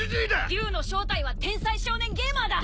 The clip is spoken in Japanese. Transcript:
竜の正体は天才少年ゲーマーだ！